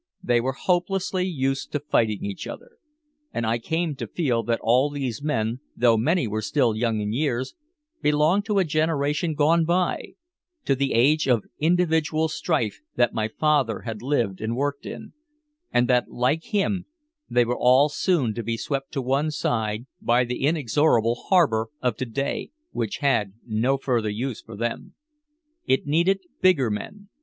They were hopelessly used to fighting each other. And I came to feel that all these men, though many were still young in years, belonged to a generation gone by, to the age of individual strife that my father had lived and worked in and that like him they were all soon to be swept to one side by the inexorable harbor of to day, which had no further use for them. It needed bigger men.